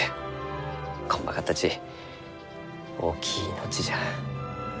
こんまかったち大きい命じゃ。